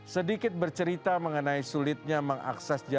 sedikit bercerita mengenai tsunami di aceh itu pun saya ingin mengingatkan kepada anda